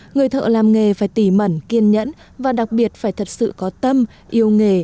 người thợ làm nghề phải tỉ mẩn kiên nhẫn và đặc biệt phải thật sự có tâm yêu nghề